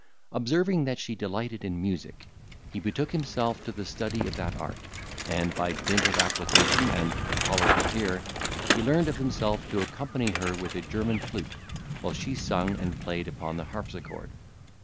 Observing that she delighted in music, he betook himself to the study of that art, and, by dint of application and a tolerable ear, learned of himself to accompany her with a German flute, while she sung and played upon the harpsichord.